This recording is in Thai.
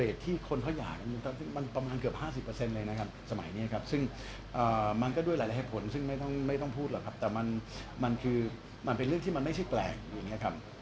เทรดที่คนเขาอยากกันมันประมาณเกือบ๕๐เลยนะครับสมัยนี้ครับซึ่งมันก็ด้วยหลายผลซึ่งไม่ต้องพูดหรอกครับแต่มันเป็นเรื่องที่มันไม่ใช่แปลกอย่างนี้ครับ